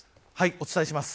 お伝えします。